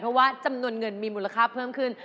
เพราะว่าจำนวนเงินมีมูลค่าเพิ่มขึ้น